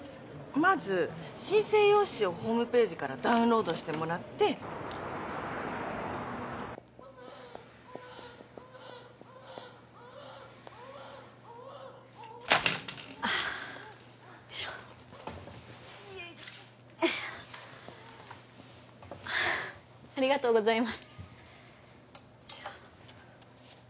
まず申請用紙をホームページからダウンロードしてもらってあよいしょよいしょありがとうございますよいしょ